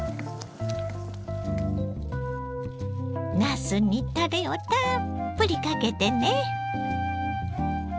なすにたれをたっぷりかけてね。